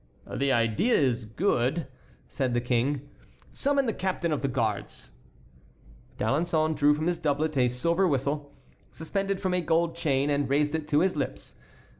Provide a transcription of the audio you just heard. "The idea is good," said the King; "summon the captain of the guards." D'Alençon drew from his doublet a silver whistle, suspended from a gold chain, and raised it to his lips.